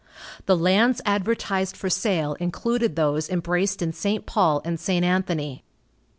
The lands advertised for sale included those embraced in St. Paul and St. Anthony.